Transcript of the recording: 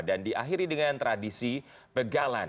dan diakhiri dengan tradisi begalan